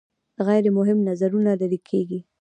غیر مهم نظرونه لرې کیږي.